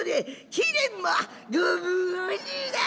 「貴殿は御無事だ。